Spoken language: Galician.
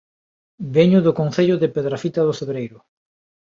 Veño do Concello de Pedrafita do Cebreiro